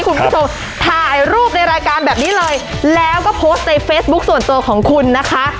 คุณผู้ชมถ่ายรูปในรายการแบบนี้เลยแล้วก็โพสต์ในเฟซบุ๊คส่วนตัวของคุณนะคะ